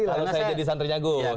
karena saya jadi santri nyagos